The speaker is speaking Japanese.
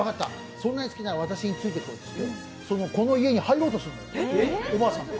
そんなに好きなら私についてこいと言ってこの家に入ろうとすんのよ、おばあさんが。